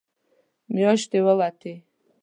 مياشتې ووتې.